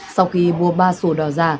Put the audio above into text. sau khi mua ba sổ đỏ giả